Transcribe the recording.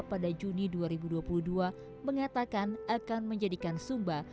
pada juni dua ribu dua puluh dua mengatakan akan menjadikan sumba